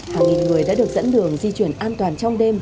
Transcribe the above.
hàng nghìn người đã được dẫn đường di chuyển an toàn trong đêm